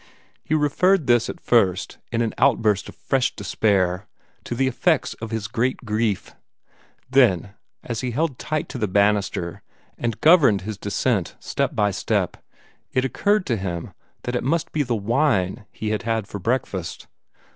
He referred this at first, in an outburst of fresh despair, to the effects of his great grief. Then, as he held tight to the banister and governed his descent step by step, it occurred to him that it must be the wine he had had for breakfast.